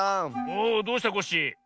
おおどうしたコッシー？